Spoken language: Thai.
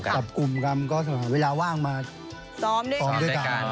กลุ่มกันก็เวลาว่างมาซ้อมด้วยกัน